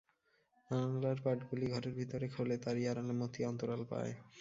জানালার পাটগুলি ঘরের ভিতরে খোলে, তারই আড়ালে মতি একটু অন্তরাল পায়।